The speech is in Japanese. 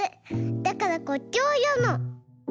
だからこっちをよむの。